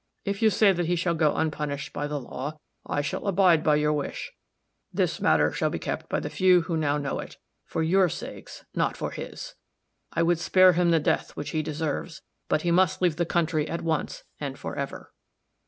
If you say that he shall go unpunished by the law, I shall abide by your wish; this matter shall be kept by the few who now know it. For your sakes, not for his, I would spare him the death which he deserves; but he must leave the country at once and for ever."